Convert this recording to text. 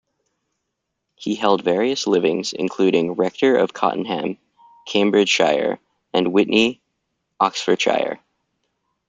He held various livings, including rector of Cottenham, Cambridgeshire, and Witney, Oxfordshire.